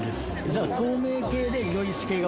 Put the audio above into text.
じゃあ